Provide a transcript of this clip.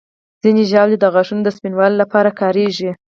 ځینې ژاولې د غاښونو د سپینوالي لپاره کارېږي.